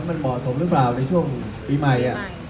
แล้วมันบอดสมหรือเปล่าในช่วงปีใหม่